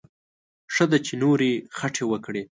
ښه ده چې نورې خټې وکړي.